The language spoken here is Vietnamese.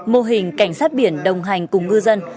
mô hình cảnh sát biển đồng hành cùng ngư dân